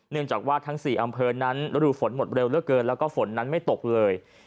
เนื่องจากว่าทั้ง๔อำเภอนั้นฤดูฝนหมดเร็วเหลือเกินแล้วก็ฝนนั้นไม่ตกเลย